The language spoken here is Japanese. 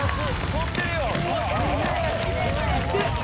飛んでるよ！